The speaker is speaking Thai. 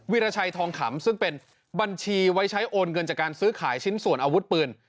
วิราชัยทองขำซึ่งเป็นบัญชีไว้ใช้โอนเงินจากการซื้อขายชิ้นส่วนอาวุธปืน